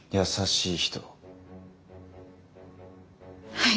はい。